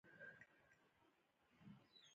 دا د دنیا او آخرت منطق تفکیکول دي.